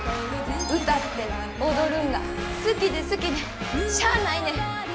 歌って踊るんが好きで好きでしゃあないねん。